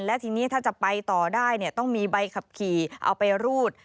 และทีนี้ถ้าจะไปต่อได้ต้องมีใบขับขี่เอาไปรูด